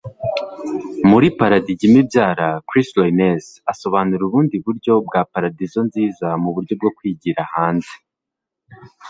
Muri paradigima ibyara, Chris Loynes asobanura ubundi buryo bwa paradizo nziza muburyo bwo kwigira hanze.